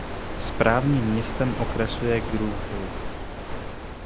Správním městem okresu je Grove Hill.